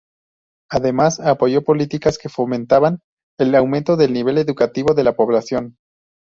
Además, apoyó políticas que fomentaban el aumento del nivel educativo de la población.